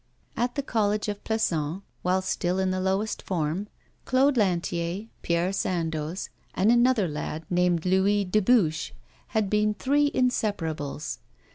At the College of Plassans, while still in the lowest form, Claude Lantier, Pierre Sandoz, and another lad named Louis Dubuche, had been three inseparables.